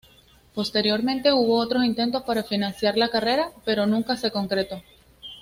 Posteriormente hubo otros intentos para financiar la carrera, pero nunca se concretó.